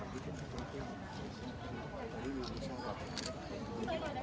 คือครับวันนี้คราวพี่เบ้อไม่มีเลยครับ